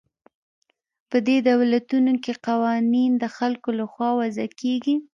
په دې دولتونو کې قوانین د خلکو له خوا وضع کیږي.